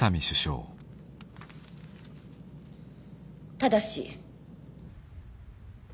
ただし。